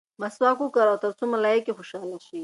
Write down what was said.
مسواک وکاروه ترڅو ملایکې خوشحاله شي.